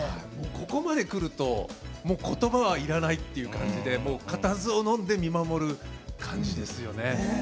ここまでくるとことばはいらないという感じで固唾をのんで見守る感じですよね。